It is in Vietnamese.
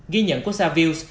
ghi nhận của savills